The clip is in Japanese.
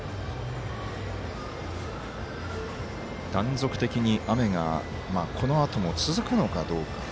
断続的な雨が、このあとも続くのかどうか。